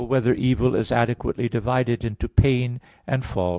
5] Whether Evil Is Adequately Divided into Pain* and Fault?